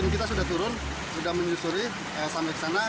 kita sudah turun sudah menyusuri sampai ke sana